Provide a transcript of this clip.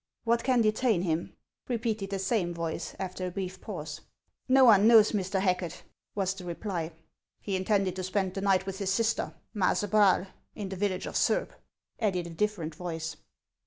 " What can detain him ?" repeated the same voice, after a brief pause. " No one knows, Mr. Racket," was the reply. " He intended to spend the night with his sister, Maase Braal, in the village of Surb," added a different voice.